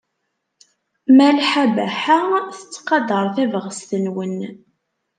Malḥa Baḥa tettqadar tabɣest-nwen.